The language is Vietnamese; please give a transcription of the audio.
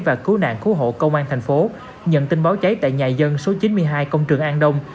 và cứu nạn cứu hộ công an thành phố nhận tin báo cháy tại nhà dân số chín mươi hai công trường an đông